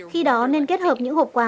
khi đó nên kết hợp những hộp quà